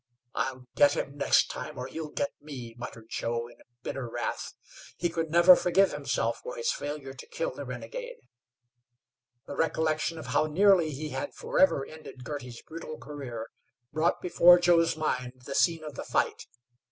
"I'll get him next time, or he'll get me," muttered Joe, in bitter wrath. He could never forgive himself for his failure to kill the renegade. The recollection of how nearly he had forever ended Girty's brutal career brought before Joe's mind the scene of the fight.